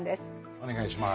お願いします。